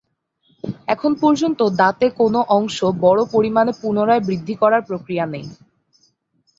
এখন পর্যন্ত দাঁতে কোনো অংশ বড়ো পরিমাণে পুনরায় বৃদ্ধি করার প্রক্রিয়া নেই।